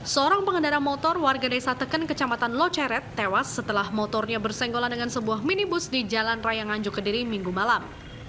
seorang pengendara motor warga desa teken kecamatan loceret tewas setelah motornya bersenggolan dengan sebuah minibus di jalan raya nganjuk kediri minggu malam